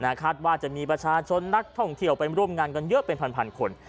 คาดว่าจะมีประชาชนนักท่องเที่ยวไปร่วมงานกันเยอะเป็นพันคน